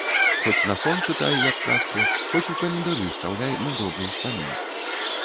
Хоць на сон чытай, як казку, хоць у календары ўстаўляй, на добры ўспамін!